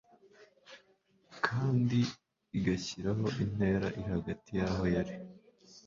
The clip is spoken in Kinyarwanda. kandi igashyiraho intera iri hagati yaho yari